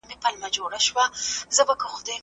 دوی له ډېر پخوا څخه د خطرونو منلو ته چمتو وو.